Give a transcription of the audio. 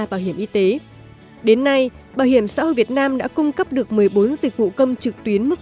bảo hiểm y tế đến nay bảo hiểm xã hội việt nam đã cung cấp được một mươi bốn dịch vụ công trực tuyến mức